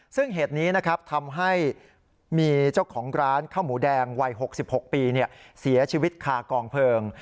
ซึ่งเหตุนี้นะครับทำให้มีเจ้าของร้านข้าวหมูแดงวัย๖๖ปีเสียชีวิตคากองเพลิง